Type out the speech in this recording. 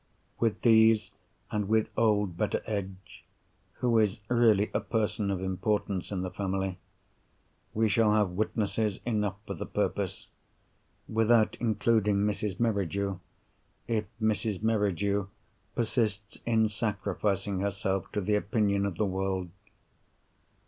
With these, and with old Betteredge (who is really a person of importance in the family) we shall have witnesses enough for the purpose—without including Mrs. Merridew, if Mrs. Merridew persists in sacrificing herself to the opinion of the world.